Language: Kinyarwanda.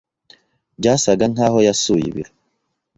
Byasaga nkaho yasuye ibiro.